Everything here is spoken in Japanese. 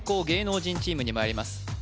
芸能人チームにまいります